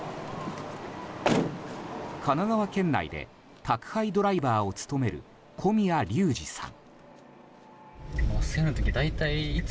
神奈川県内で宅配ドライバーを務める小宮龍司さん。